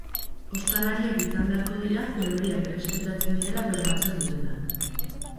Ostalariak izan beharko dira neurriak errespetatzen direla bermatzen dutenak.